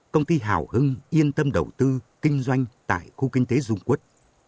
công ty hào hưng yên tâm đầu tư kinh doanh tại khu kinh tế dung quốc